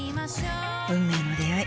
運命の出会い。